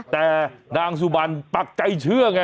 แต่นางสุบันปักใจเชื่อไง